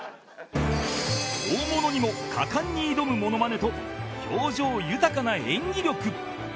大物にも果敢に挑むモノマネと表情豊かな演技力